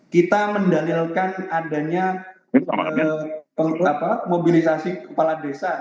kita mendalilkan adanya mobilisasi kepala desa